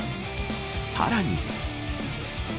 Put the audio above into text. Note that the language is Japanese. さらに。